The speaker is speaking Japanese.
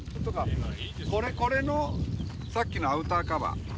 これこれのさっきのアウターカバー。